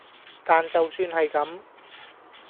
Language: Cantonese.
但就算係咁